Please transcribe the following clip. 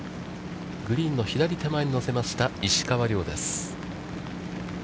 グリーンの左手前に乗せました石川遼です。